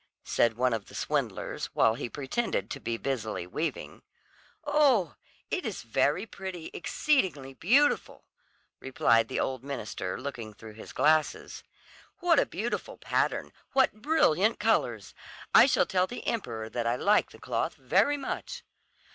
said one of the swindlers, while he pretended to be busily weaving. "Oh, it is very pretty, exceedingly beautiful," replied the old minister looking through his glasses. "What a beautiful pattern, what brilliant colours! I shall tell the emperor that I like the cloth very much."